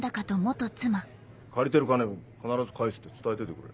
借りてる金必ず返すって伝えといてくれ。